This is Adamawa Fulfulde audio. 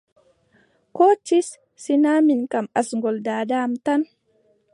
Koo tis, sinaa min kam asngol daada am tan.